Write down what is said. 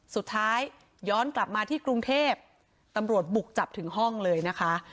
สุดท้ายย้อนกลับมาที่กรุงเทพตำรวจบุกจับถึงห้องเลยนะคะ